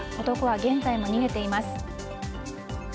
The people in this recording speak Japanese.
男は現在も逃げています。